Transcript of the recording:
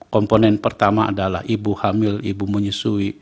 komponen pertama adalah ibu hamil ibu menyusui